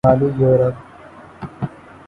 شمالی یورپ